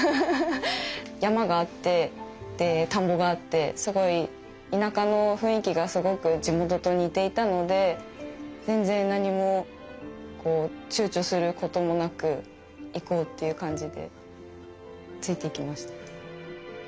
山があってで田んぼがあってすごい田舎の雰囲気がすごく地元と似ていたので全然何もこう躊躇することもなく行こうっていう感じでついていきました。